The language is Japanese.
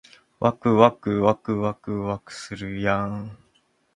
わくわくわくわくわくするやーん